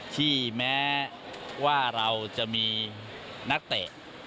แม้ว่าเราจะมีนักเตะ